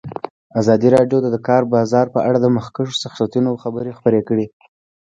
ازادي راډیو د د کار بازار په اړه د مخکښو شخصیتونو خبرې خپرې کړي.